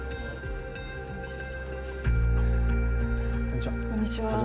こんにちは。